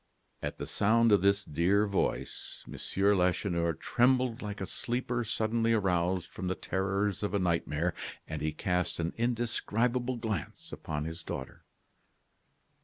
At the sound of this dear voice, M. Lacheneur trembled like a sleeper suddenly aroused from the terrors of a nightmare, and he cast an indescribable glance upon his daughter.